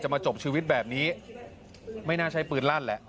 มาจบชีวิตแบบนี้ไม่น่าใช้ปืนลั่นแหละ